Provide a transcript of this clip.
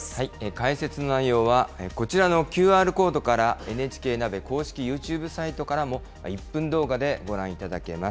解説の内容はこちらのＱＲコードから、ＮＨＫＮＡＢＥ公式ユーチューブサイトからも１分動画でご覧いただけます。